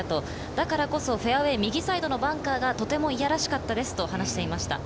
だからこそフェアウエー、右サイドのバンカーがとてもいやらしかったですと話していました。